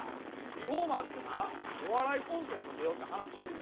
リフォーマーズでなお笑いコンテスト出ようって話してんねんけど。